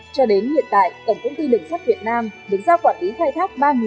cho đến hiện tại tổng công ty đường sắt việt nam được giao quản lý khai thác ba người